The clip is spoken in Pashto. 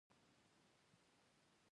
زغال د افغانانو د ګټورتیا برخه ده.